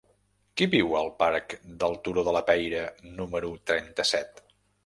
Qui viu al parc del Turó de la Peira número trenta-set?